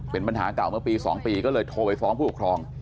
เป็นปัญหาเก่าเมื่อปี๒ปีก็เลยโทรไปฟ้องผู้ปกครอง